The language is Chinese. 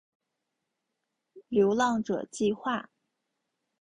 流浪者计画